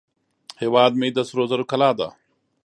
هیواد مې د سرو زرو کلاه ده